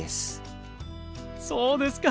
そうですか！